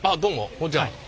こんにちは。